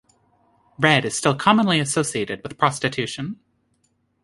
Red is still commonly associated with prostitution.